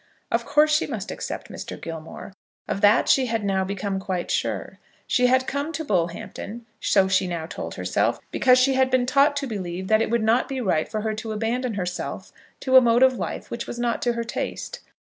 Of course she must accept Mr. Gilmore. Of that she had now become quite sure. She had come to Bullhampton, so she now told herself, because she had been taught to believe that it would not be right for her to abandon herself to a mode of life which was not to her taste.